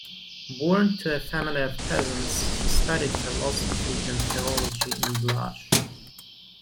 Born to a family of peasants, he studied philosophy and theology in Blaj.